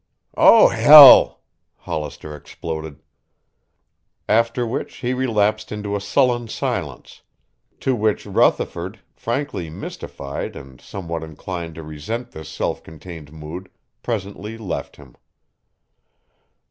"Oh, hell!" Hollister exploded. After which he relapsed into sullen silence, to which Rutherford, frankly mystified and somewhat inclined to resent this self contained mood, presently left him.